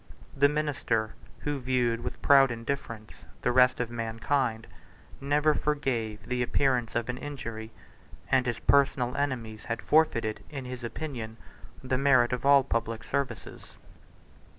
The minister, who viewed with proud indifference the rest of mankind, never forgave the appearance of an injury; and his personal enemies had forfeited, in his opinion, the merit of all public services.